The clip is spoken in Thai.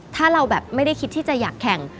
ถ้าเราแบบไม่ได้คิดที่จะอยากแข่ง